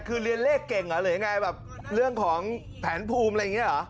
คือเรียนเลขเก่งเหรอหรือยังไงแบบเรื่องของแผนภูมิอะไรอย่างนี้เหรอ